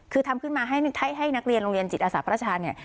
คือทำขึ้นมาให้นักเรียนโรงเรียนจิตอาสาพระราชาเนี่ย